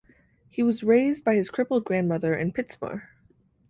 He was raised by his crippled grandmother in Pitsmoor.